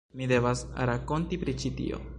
Mi devas rakonti pri ĉi tio.